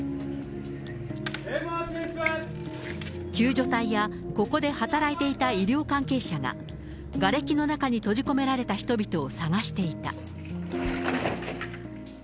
救助隊やここで働いていた医療関係者が、がれきの中に閉じ込められた人々を捜していた。